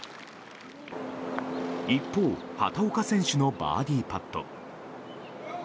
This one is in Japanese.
一方、畑岡選手のバーディーパット。